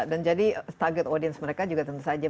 dan jadi target audience mereka juga tentu saja milenial